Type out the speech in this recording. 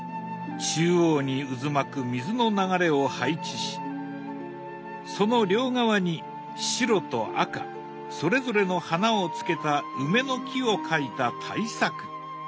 中央に渦巻く水の流れを配置しその両側に白と赤それぞれの花をつけた梅の木を描いた大作。